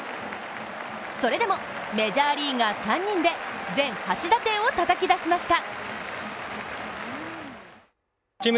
それでもメジャーリーガー３人で全８打点をたたき出しました。